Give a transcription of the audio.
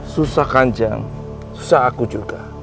susah kanjang susah aku juga